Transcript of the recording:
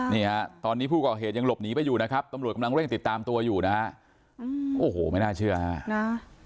เขาก็จะเอาเด็กไปนี่เราไม่ให้เอาไปเพราะเรารู้แล้วว่าเขาไม่ปกติ